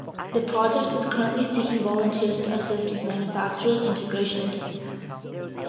The project is currently seeking volunteers to assist with manufacturing, integration and testing.